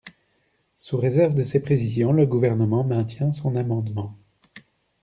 Sous réserve de ces précisions, le Gouvernement maintient son amendement.